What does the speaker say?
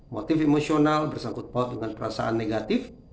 motif emosional bersangkutan dengan perasaan negatif